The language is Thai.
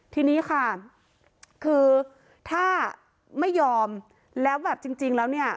ทีนี้ค่ะคือถ้าไม่ยอมแล้วแบบจริงแล้วเนี่ย